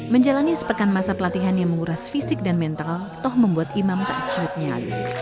menjalani sepekan masa pelatihan yang menguras fisik dan mental toh membuat imam tak ciut nyali